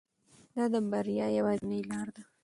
دا د بریا یوازینۍ لاره ده.